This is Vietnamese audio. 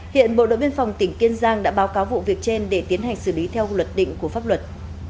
hiện bộ đội biên phòng tỉnh kiên giang đã báo cáo vụ việc trên để tiến hành xử lý theo luật định của pháp luật